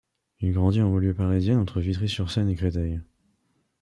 Il grandit en banlieue parisienne entre Vitry-sur-Seine et Créteil.